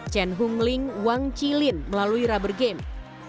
chen hung ling wang qilin melalui rubber game